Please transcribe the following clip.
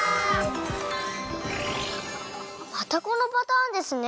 またこのパターンですね。